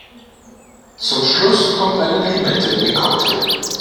Zum Schluss kommt eine Limette in den Cocktail.